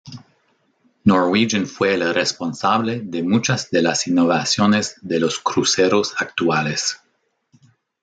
Norwegian fue el responsable de muchas de las innovaciones de los cruceros actuales.